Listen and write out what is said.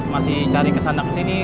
masih cari kesana kesini